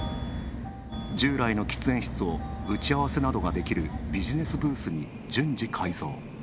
従来の喫煙室を打ち合わせなどができるビジネスブースに順次改造。